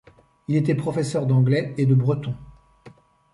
Il était professeur d'anglais et de breton.